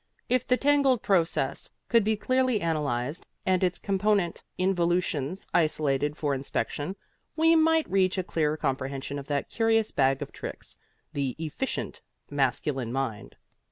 If the tangled process could be clearly analyzed and its component involutions isolated for inspection we might reach a clearer comprehension of that curious bag of tricks, the efficient Masculine Mind.